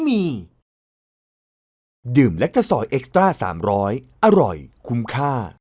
อินสตรา๓๐๐อร่อยคุ้มค่า